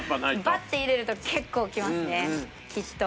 バッて入れると結構きますねきっと。